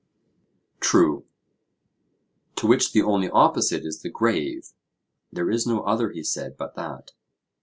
True. To which the only opposite is the grave? There is no other, he said, but that.